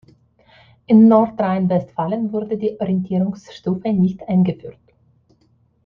In Nordrhein-Westfalen wurde die Orientierungsstufe nicht eingeführt.